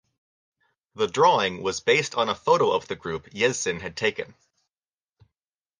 The drawing was based on a photo of the group Yezsin had taken.